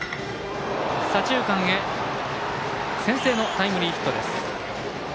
左中間へ先制のタイムリーヒット。